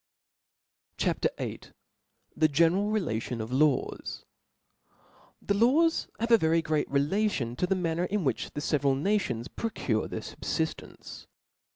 CHAP. VIII. . The general Relation of Laws. TP H E laws have a very great relation to the ■*• manner, in which the feveral nations procure their fubfiftence.